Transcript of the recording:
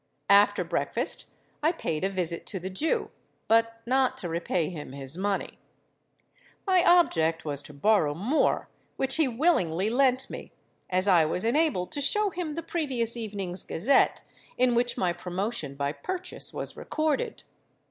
After breakfast I paid a visit to the Jew—but not to repay him his money. My object was to borrow more, which he willingly lent me, as I was enabled to show him the previous evening's Gazette in which my promotion by purchase was recorded.